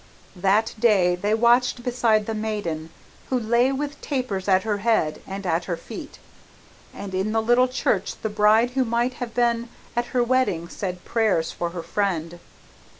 That day they watched beside the maiden, who lay with tapers at her head and at her feet, and in the little church the bride who might have been at her wedding said prayers for her friend.